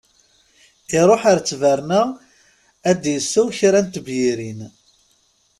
Iṛuḥ ar ttberna ad d-isew kra n tebyirin.